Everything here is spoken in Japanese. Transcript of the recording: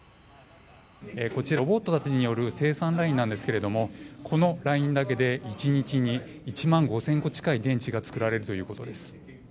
こちら、ロボットたちによる生産ラインなんですけれどもこのラインだけで１日に１万５０００個近い電池が作られているということです。